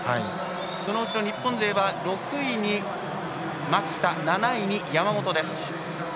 その後ろ、日本勢は６位に蒔田７位に山本です。